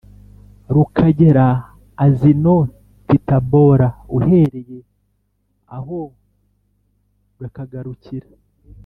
rukagera Azinotitabora uhereye aho rukagarukira